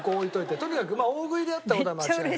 とにかく大食いであった事は間違いない。